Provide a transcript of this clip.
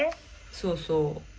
そうそう。